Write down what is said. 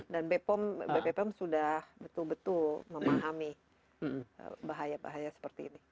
dan bpom sudah betul betul memahami bahaya bahaya seperti ini